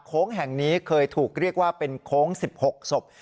โค้งแห่งนี้เคยถูกเรียกว่าเป็นโค้งสิบหกศพ